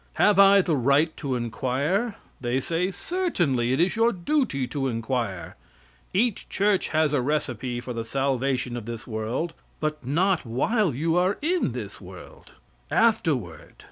Have I the right to inquire? They say, "Certainly; it is your duty to inquire." Each church has a recipe for the salvation of this world, but not while you are in this world afterward.